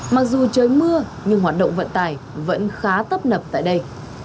mặc dù trời mưa nhưng hoạt động vận tải vẫn khá tấp nập tại đây